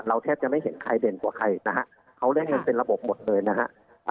แทบจะไม่เห็นใครเด่นกว่าใครนะฮะเขาได้เงินเป็นระบบหมดเลยนะฮะ